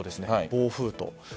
暴風と。